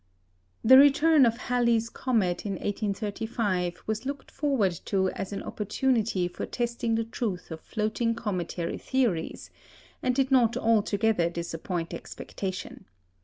The return of Halley's comet in 1835 was looked forward to as an opportunity for testing the truth of floating cometary theories, and did not altogether disappoint expectation.